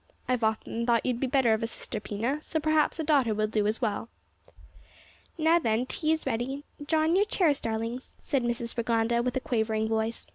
"I've often thought you'd be the better of a sister, Pina, so, perhaps, a daughter will do as well." "Now, then, tea is ready; draw in your chairs, darlings," said Mrs Rigonda, with a quavering voice.